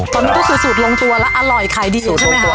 ตอนนี้ก็คือสูตรลงตัวแล้วอร่อยขายดีสุดใช่ไหมคะ